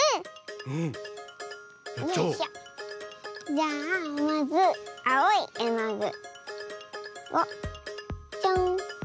じゃあまずあおいえのぐをちょん。